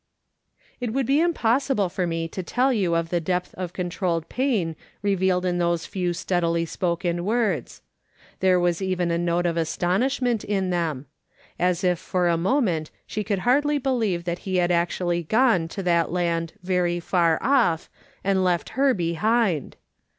It woukl be impossible for me to tell you of the depth of controlled pain revealed in those few steadily spoken words. There was even a note of astonish ment in them ; as if for a moment she could hardly believe that he had actually gone to that land " very far off" and left her behind!